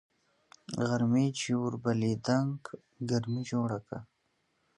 غرمې چي اور بلېدنگ ګرمي جوړه که